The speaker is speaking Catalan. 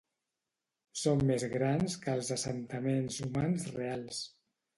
Són més grans que els assentaments humans reals.